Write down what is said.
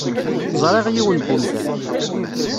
Ẓriɣ yiwen n umdan.